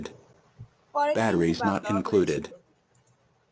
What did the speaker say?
পরে তিনটি বাদ দেওয়া হয়েছিল।